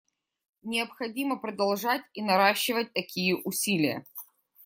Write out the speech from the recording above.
Необходимо продолжать и наращивать такие усилия.